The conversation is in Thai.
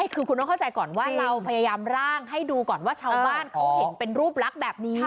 คือคุณต้องเข้าใจก่อนว่าเราพยายามร่างให้ดูก่อนว่าชาวบ้านเขาเห็นเป็นรูปลักษณ์แบบนี้